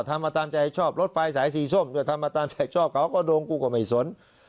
ทำมาตามใจชอบรถไฟสายสีส้มก็ทำมาตามใจชอบเขาก็โดงกูก็ไม่สน